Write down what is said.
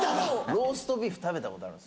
ローストビーフ食べたことあるんですよ